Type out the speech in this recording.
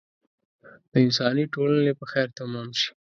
د انساني ټولنې په خیر تمام شي.